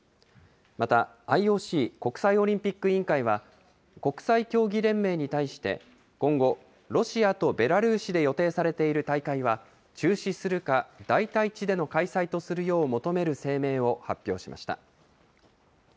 またＩＯＣ・国際オリンピック委員会は、国際競技連盟に対して、今後、ロシアとベラルーシで予定されている大会は中止するか、代替地での開催とするよう求める声明を発表しました。